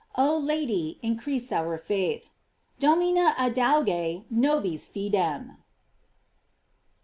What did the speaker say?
Oh Lady, increase our faith: Domina adauge nobis fidem.